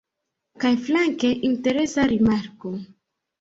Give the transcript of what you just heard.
Kaj flanke interesa rimarko